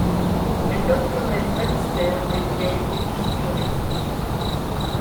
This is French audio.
La doctoresse Bannister est vieille et défigurée.